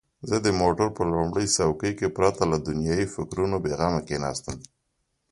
زه د موټر په لوړ څوکۍ کې پرته له دنیايي فکرونو بېغمه کښېناستم.